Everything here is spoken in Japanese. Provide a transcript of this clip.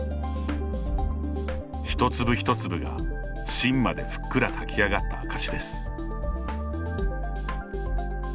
一粒一粒が、芯までふっくら炊き上がった証しです。